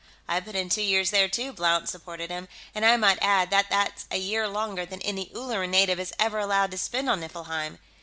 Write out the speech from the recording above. "I put in two years there, too," Blount supported him. "And I might add that that's a year longer than any Ulleran native is ever allowed to spend on Niflheim.